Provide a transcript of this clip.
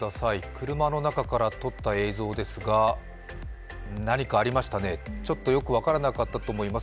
車の中から撮った映像ですが何かありましたね、ちょっとよく分からなかったと思います。